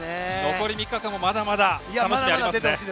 残り３日間もまだまだ楽しみがありますね。